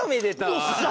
よっしゃ！